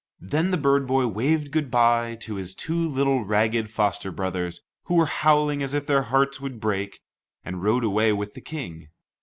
Then the bird boy waved good bye to his two little ragged foster brothers, who were howling as if their hearts would break, and rode away with the King.